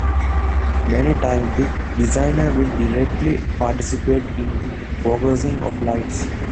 Many times the designer will directly participate in the focusing of lights.